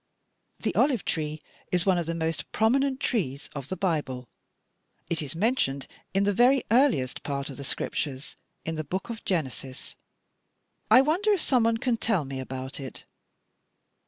The olive tree is one of the most prominent trees of the Bible. It is mentioned in the very earliest part of the Scriptures, in the book of Genesis. I wonder if some one can tell me about it?"